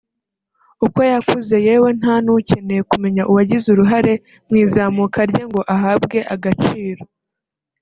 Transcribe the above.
uko yakuze yewe nta n’ukeneye kumenya uwagize uruhare mu izamuka rye ngo ahabwe agaciro